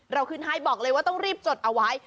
ขึ้นให้บอกเลยว่าต้องรีบจดเอาไว้